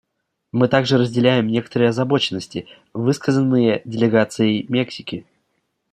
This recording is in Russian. Мы также разделяем некоторые озабоченности, высказанные делегацией Мексики.